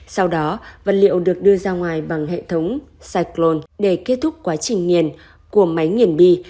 sau đó vật liệu được đưa ra ngoài bằng hệ thống cyclon để kết thúc quá trình nghiền của máy nghiền bi